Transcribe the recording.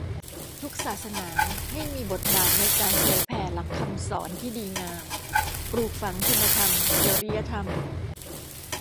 ทุกศาสนาให้มีบทบาทในการเผยแผ่หลักคำสอนที่ดีงาม ปลูกฝังคุณธรรม จริยธรรม